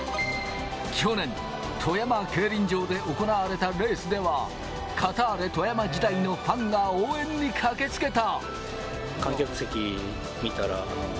去年、富山競輪場で行われたレースではカターレ富山時代のファンが応援に駆けつけた。